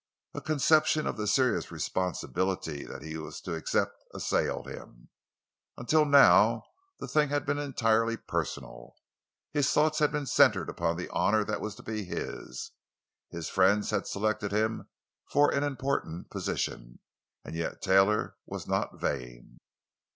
A conception of the serious responsibility that he was to accept assailed him. Until now the thing had been entirely personal; his thoughts had centered upon the honor that was to be his—his friends had selected him for an important position. And yet Taylor was not vain.